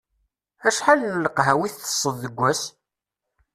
Acḥal n leqhawi i ttesseḍ deg wass?